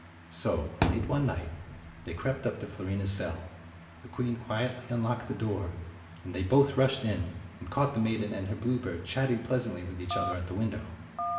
So, late one night, they crept up to Fiorina's cell. The queen quietly unlocked the door, and they both rushed in, and caught the maiden and her bluebird chatting pleasantly with each other at the window.